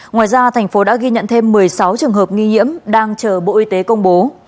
ngoài ra thành phố đã ghi nhận thêm một mươi sáu trường hợp nghi nhiễm đang chờ bộ y tế công bố